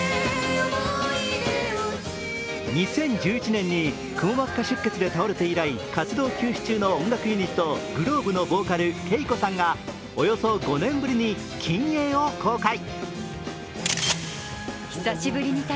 ２０１１年にくも膜下出血で倒れて以来、活動休止中の音楽ユニットｇｌｏｂｅのボーカルＫＥＩＫＯさんがおよそ５年ぶりに近影を公開。